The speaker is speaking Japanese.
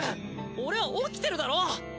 俺は起きてるだろ！？